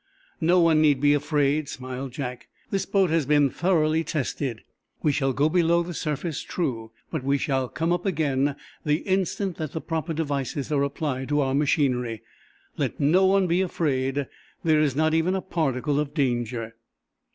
"No one need be afraid," smiled Jack. "This boat has been thoroughly tested. We shall go below the surface, true, but we shall come up again the instant that the proper devices are applied to our machinery. Let no one be afraid. There is not even a particle of danger."